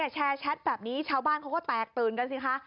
แชร์แชทแบบนี้ชาวบ้านเขาก็แตกตื่นกันสิคะ